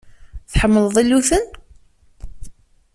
Tḥemmleḍ iluten.